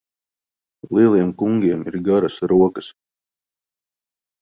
Lieliem kungiem ir garas rokas.